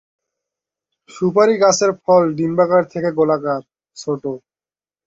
সুপারি গাছের ফল ডিম্বাকার থেকে গোলাকার, ছোট।